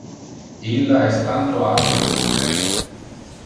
Illa es tanto alte como te.